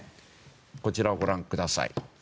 こちらをご覧ください。